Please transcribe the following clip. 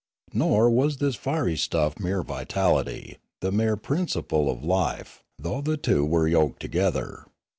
Nor was this fiery stuff mere vitality, the mere principle of life, though the two were yoked together.